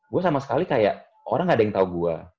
gue sama sekali kayak orang nggak ada yang tau gue